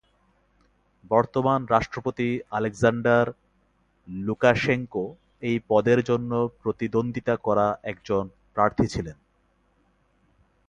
বর্তমান রাষ্ট্রপতি Alexander Lukashenko এই পদের জন্য প্রতিদ্বন্দ্বিতা করা একজন প্রার্থী ছিলেন।